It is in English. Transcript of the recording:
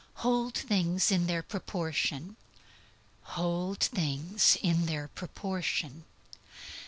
Hold things in their proportion. _Hold things in their proportion.